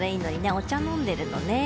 お茶飲んでるのね。